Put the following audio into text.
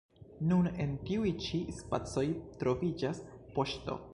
Nun en tiuj ĉi spacoj troviĝas poŝto.